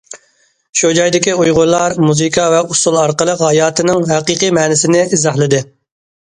شۇ جايدىكى ئۇيغۇرلار مۇزىكا ۋە ئۇسسۇل ئارقىلىق ھاياتنىڭ ھەقىقىي مەنىسىنى ئىزاھلىدى.